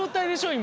今。